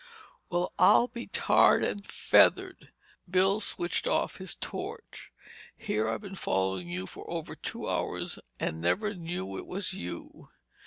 "Well, I'll be tarred and feathered!" Bill switched off his torch. "Here I've been following you for over two hours and never knew it was you!